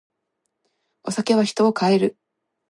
お酒は人を変える。